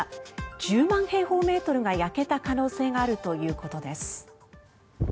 １０万平方メートルが焼けた可能性があるということです。